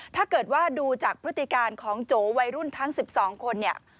ถ้าเกิดว่าดูจากพฤติการของโจวัยรุ่นทั้ง๑๒คนเนี่ย